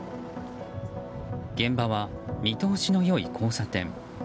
現場は見通しの良い交差点。